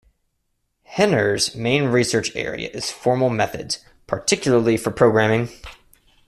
Hehner's main research area is formal methods, particularly for programming.